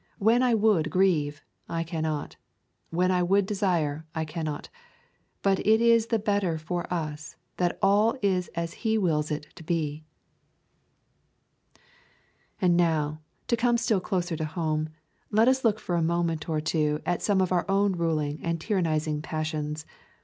When I would grieve, I cannot. When I would desire, I cannot. But it is the better for us that all is as He wills it to be.' And now, to come still closer home, let us look for a moment or two at some of our own ruling and tyrannising passions.